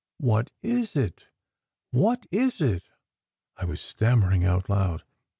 "What is it? What is it?" I was stammering out aloud.